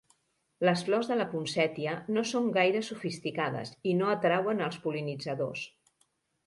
Les flors de la ponsètia no són gaire sofisticades i no atrauen els pol·linitzadors.